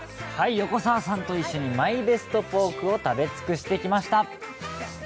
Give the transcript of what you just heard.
横澤さんと一緒にＭＹＢＥＳＴポークを食べ尽くしてきました。